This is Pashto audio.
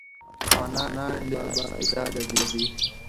افغانان ډېر با استعداده دي.